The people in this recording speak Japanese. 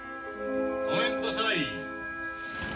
・ごめんください。